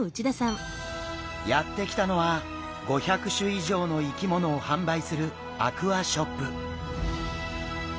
やって来たのは５００種以上の生き物を販売するアクアショップ。